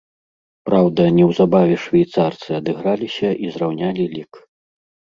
Праўда, неўзабаве швейцарцы адыграліся і зраўнялі лік.